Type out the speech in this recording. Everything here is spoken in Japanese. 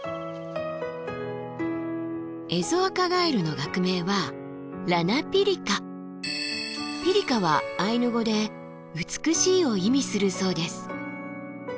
エゾアカガエルの「ｐｉｒｉｃａ」はアイヌ語で「美しい」を意味するそうです。